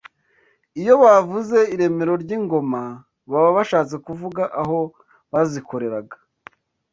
Iyo bavuze iremero ry’ingoma, baba bashatse kuvuga aho bazikoreraga